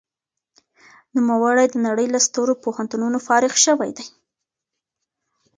نوموړي د نړۍ له سترو پوهنتونونو فارغ شوی دی.